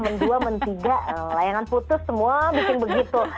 men dua men tiga layangan putus semua bikin begitu